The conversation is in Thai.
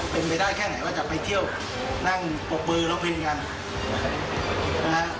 เป็นไปได้แค่ไหนว่าจะไปเที่ยวนั่งบบเบอร์รสเพ็นค์กัน